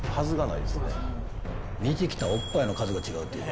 見てきたおっぱいの数が違うっていうか。